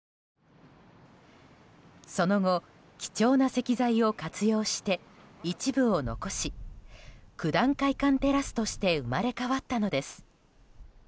その後、貴重な石材を活用して一部を残し九段会館テラスとして生まれ変わったのです。